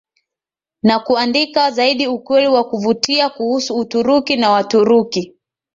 na kuandika zaidi Ukweli wa kuvutia kuhusu Uturuki na Waturuki